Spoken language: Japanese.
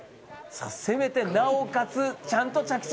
攻めてなおかつ、ちゃんと着地。